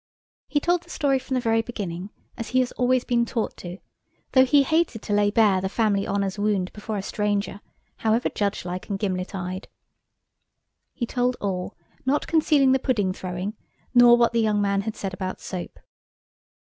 He told the story from the very beginning, as he has always been taught to, though he hated to lay bare the family honour's wound before a stranger, however judgelike and gimlet eyed. He told all–not concealing the pudding throwing, nor what the young man said about soap.